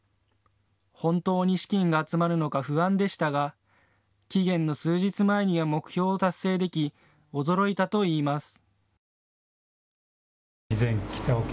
本当に資金が集まるのか不安でしたが期限の数日前には目標を達成でき驚いたといいます。